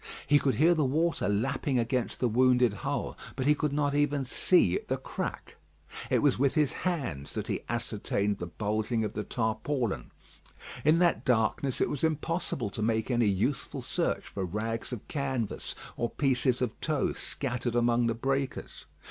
He could hear the water lapping against the wounded hull, but he could not even see the crack. It was with his hands that he had ascertained the bulging of the tarpaulin. In that darkness it was impossible to make any useful search for rags of canvas or pieces of tow scattered among the breakers.